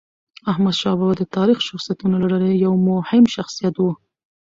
احمدشاه بابا د تاریخي شخصیتونو له ډلې یو مهم شخصیت و.